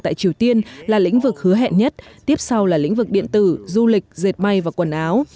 tại triều tiên là lĩnh vực hứa hẹn nhất tiếp sau là lĩnh vực điện tử du lịch dệt may và quần áo